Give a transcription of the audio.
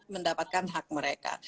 mendapatkan hak mereka